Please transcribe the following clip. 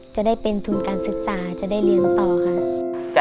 จะได้เป็นทุนการศึกษาจะได้เรียนต่อค่ะ